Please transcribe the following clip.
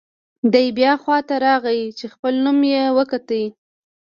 دی بیا خوا ته راغی چې خپل نوم یې وکوت.